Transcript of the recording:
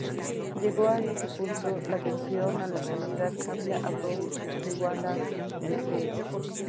Llegado este punto la tensión a la salida cambia a Vout=−Vs.